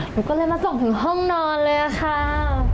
หนูก็เลยมาส่งถึงห้องนอนเลยค่ะ